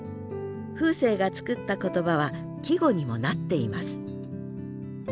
風生が作った言葉は季語にもなっています